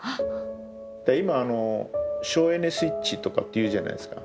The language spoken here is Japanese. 今あの「省エネスイッチ」とかって言うじゃないですか。